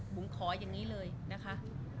ขออย่างนี้เลยนะคะ